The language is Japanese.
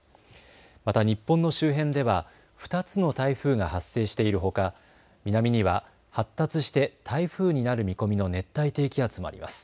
また日本の周辺では２つの台風が発生しているほか南には発達して台風になる見込みの熱帯低気圧もあります。